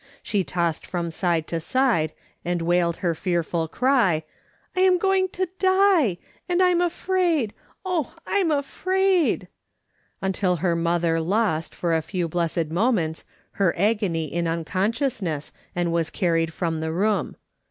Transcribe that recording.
She tossed from side to side, and wailed her fearful cry :" I am going to die, and I'm afraid ! oh, I'm afraid !" until her mother lost, for a few blessed moments, her agony in unconsciousness, and was carried from the room.